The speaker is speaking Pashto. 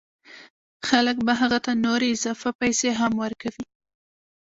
خلک به هغه ته نورې اضافه پیسې هم ورکوي